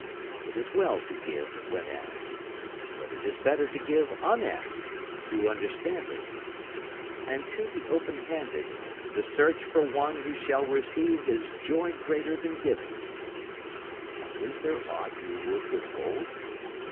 [Illustration: 0039] It is well to give when asked, but it is better to give unasked, through understanding; And to the open handed the search for one who shall receive is joy greater than giving. And is there aught you would withhold?